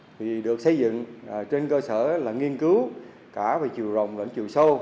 cơ chế này được xây dựng trên cơ sở nghiên cứu cả về chiều rộng và chiều sâu